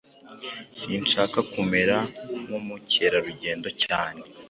Sinshaka kumera nkumukerarugendo cyane.